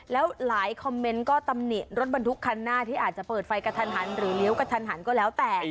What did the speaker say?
แล้วหลายคอมเมนต์ก็ตำหนิรถบรรทุกคันหน้าที่อาจจะเปิดไฟกระทันหันหรือเลี้ยวกระทันหันก็แล้วแต่